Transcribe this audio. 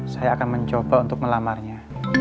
saya akan mencoba untuk melamarnya